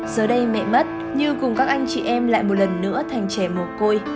giờ đây mẹ mất như cùng các anh chị em lại một lần nữa thành trẻ mồ côi